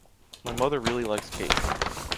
My mother really likes cake.